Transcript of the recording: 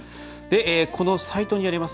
このサイトにあります